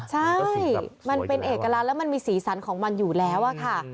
ใช่มันเป็นเอกลักษณ์แล้วมันมีสีสันของมันอยู่แล้วอะค่ะ